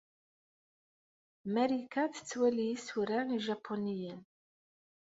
Marika tettwali isura ijapuniyen?